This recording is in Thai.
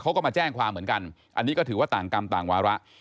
เขาก็มาแจ้งความเหมือนกันอันนี้ก็ถือว่าต่างกรรมต่างวาระ